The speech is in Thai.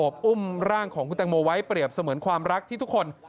อุ้มร่างของคุณตังโมไว้เปรียบเสมือนความรักที่ทุกคน